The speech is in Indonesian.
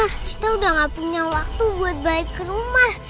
kita udah gak punya waktu buat baik ke rumah